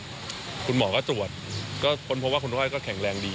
ก็คุณหมอก็ตรวจก็พบว่าคุณก้อยก็แข็งแรงดี